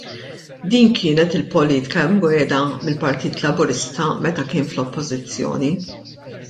Din kienet il-politika mwiegħda mill-Partit Laburista meta kien fl-oppożizzjoni.